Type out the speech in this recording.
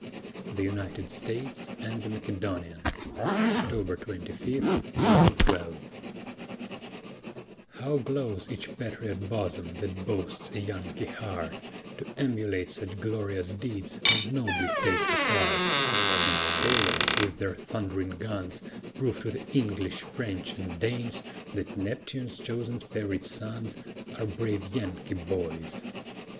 THE UNITED STATES AND THE MACEDONIAN [October 25, 1812] How glows each patriot bosom that boasts a Yankee heart, To emulate such glorious deeds and nobly take a part; When sailors with their thund'ring guns, Prove to the English, French, and Danes That Neptune's chosen fav'rite sons Are brave Yankee boys.